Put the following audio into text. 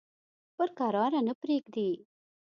پر کراره نه پرېږدي.